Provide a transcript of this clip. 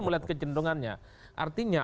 melihat kecendungannya artinya